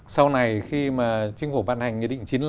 sau này khi mà chinh phủ bàn hành nghị định chín mươi năm